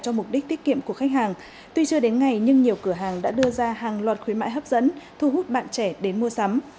cho mục đích tiết kiệm của khách hàng tuy chưa đến ngày nhưng nhiều cửa hàng đã đưa ra hàng loạt khuyến mại hấp dẫn thu hút bạn trẻ đến mua sắm